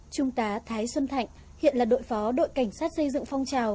trung tá thái xuân thạnh hiện là đội phó đội cảnh sát xây dựng phong trào